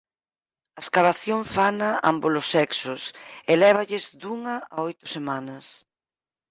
A escavación fana ambos os sexos e lévalles dunha a oito semanas.